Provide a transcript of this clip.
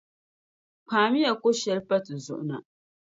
Kpaami ya ko’shɛli m-pa ti zuɣu na.